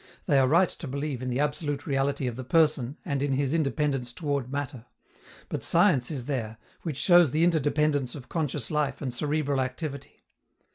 They are right to believe in the absolute reality of the person and in his independence toward matter; but science is there, which shows the interdependence of conscious life and cerebral activity.